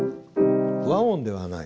和音ではない。